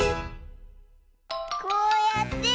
こうやって。